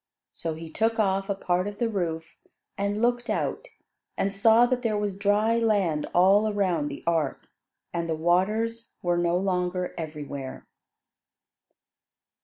So he took off a part of the roof, and looked out, and saw that there was dry land all around the ark, and the waters were no longer everywhere.